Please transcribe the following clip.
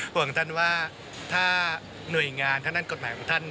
ของท่านว่าถ้าหน่วยงานทางด้านกฎหมายของท่าน